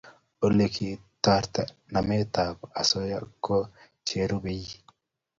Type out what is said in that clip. Ole kitortoi nametab osoya ko cherubei: